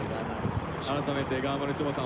改めてがまるちょばさん